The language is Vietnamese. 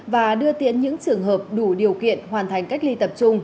và đưa tiến những trường hợp đủ điều kiện hoàn thành cách ly tập trung